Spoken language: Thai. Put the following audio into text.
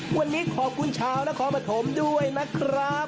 วันนี้ขอบคุณชาวและขอบภัทรมด้วยนะครับ